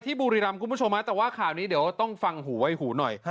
บุรีรำคุณผู้ชมแต่ว่าข่าวนี้เดี๋ยวต้องฟังหูไว้หูหน่อย